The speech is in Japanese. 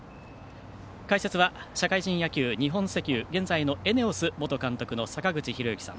解説は社会人野球、日本石油現在のエネオス元監督の坂口裕之さん